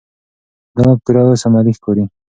دا مفکوره اوس عملي ښکاري.